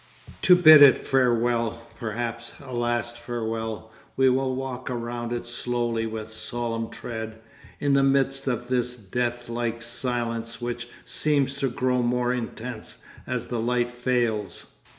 To bid it farewell, perhaps a last farewell, we will walk around it slowly with solemn tread, in the midst of this deathlike silence which seems to grow more intense as the light fails.